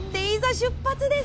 出発です！